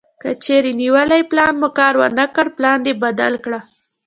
کچېرې نیولی پلان مو کار ونه کړ پلان دې بدل کړه.